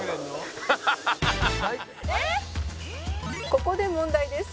「ここで問題です。